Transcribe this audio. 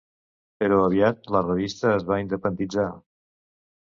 Però aviat la revista es va independitzar.